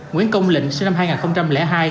nguyễn công lịnh sinh năm hai nghìn hai